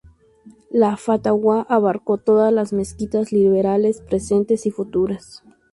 La fatwa abarcó todas las mezquitas liberales presentes y futuras.